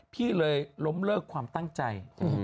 พี่เลยล้มเลิกความตั้งใจ